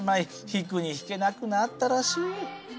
引くに引けなくなったらしい。